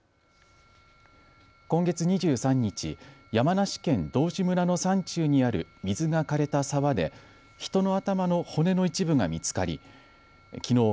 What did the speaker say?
今月２３日、山梨県道志村の山中にある水がかれた沢で人の頭の骨の一部が見つかりきのう